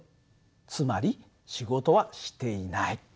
つまり仕事はしていない。